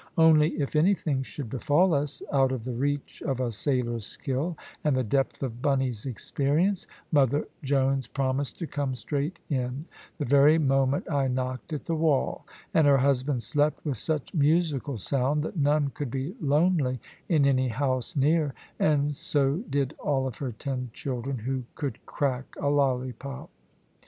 Only if anything should befall us, out of the reach of a sailor's skill and the depth of Bunny's experience, mother Jones promised to come straight in, the very moment I knocked at the wall; and her husband slept with such musical sound that none could be lonely in any house near, and so did all of her ten children who could crack a lollipop.